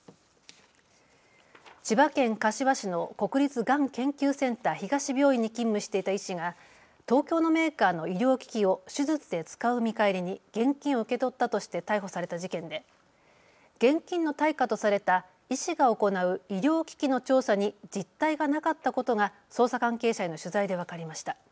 千葉県柏市の国立がん研究センター東病院に勤務していた医師が東京のメーカーの医療機器を手術で使う見返りに現金を受け取ったとして逮捕された事件で現金の対価とされた医師が行う医療機器の調査に実態がなかったことが捜査関係者への取材で分かりました。